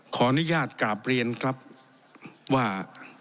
ขออนุญาตกราบเรียนครับว่า